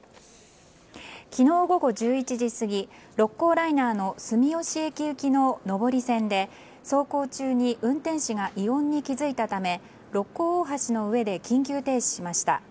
昨日午後１１時過ぎ六甲ライナーの住吉駅行きの上り線で走行中に運転士が異音に気づいたため六甲大橋の上で緊急停止しました。